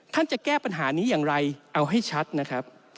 จะแก้ปัญหานี้อย่างไรเอาให้ชัดนะครับ